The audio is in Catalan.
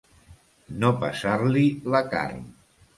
No pesar-li la carn.